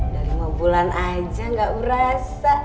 udah lima bulan aja gak berasa